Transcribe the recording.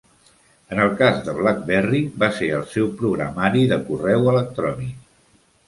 En el cas de Blackberry, va ser el seu programari de correu electrònic.